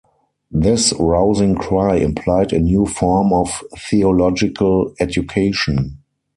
This rousing cry implied a new form of theological education.